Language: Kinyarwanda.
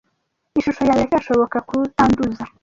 ishusho yawe iracyashoboka kutanduza